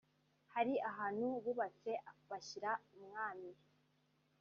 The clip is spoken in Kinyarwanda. hari ahantu bubatse bashyira umwami